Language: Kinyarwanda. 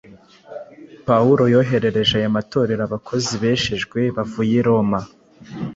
Pawulo yoherereje aya matorero abakozi bejejwe bavuye i Roma